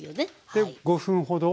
で５分ほど。